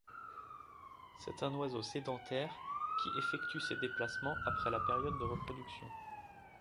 C'est un oiseau sédentaire qui effectue ses déplacements après la période de reproduction.